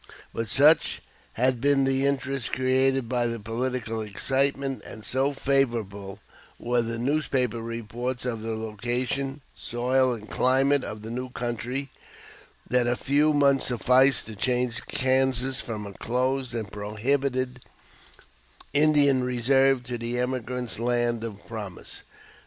But such had been the interest created by the political excitement, and so favorable were the newspaper reports of the location, soil, and climate of the new country, that a few months sufficed to change Kansas from a closed and prohibited Indian reserve to the emigrant's land of promise.